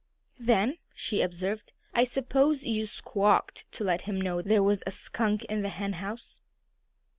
"Then," she observed, "I suppose you squawked to let him know there was a skunk in the henhouse."